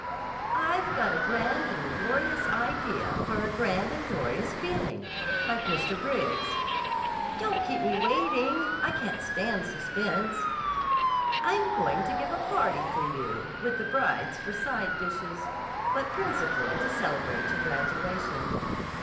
"I've got a grand and glorious idea for a grand and glorious feeling—like Mr. Briggs's." "Don't keep me waiting. I can't stand suspense." "I'm going to give a party for you, with the brides for side dishes, but principally to celebrate your graduation."